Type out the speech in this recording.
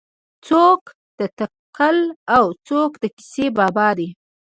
څوک د تکل او څوک د کیسې بابا دی.